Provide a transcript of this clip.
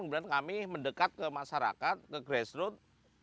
kemudian kami mendekat ke masyarakat ke grassroot